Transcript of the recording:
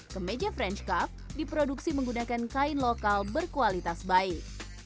kemeja french cup diproduksi menggunakan kain lokal berkualitas baik